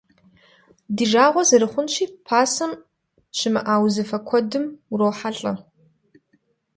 Ди жагъуэ зэрыхъунщи, пасэм щымыӀа узыфэ куэдым урохьэлӀэ.